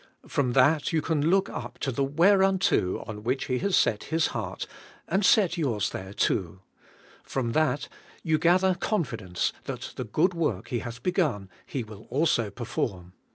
From that you can look up to the whereunto on which He has set His heart, and set yours there too. From that you gather confidence 3 34 ABIDE IN CHRIST. that the good work He hath begun He will also per form.